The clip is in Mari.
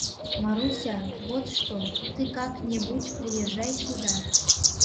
Маруся, вот что, ты как небудь приезжай сюда.